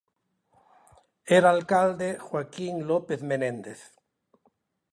Era alcalde Joaquín López Menéndez.